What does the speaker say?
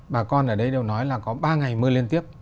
bà con ở đây đều nói là có ba ngày mưa liên tiếp